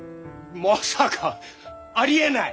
まさか！ありえない！